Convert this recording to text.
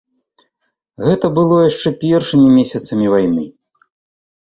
Гэта было яшчэ першымі месяцамі вайны.